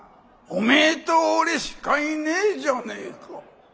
「おめえと俺しかいねえじゃねえか。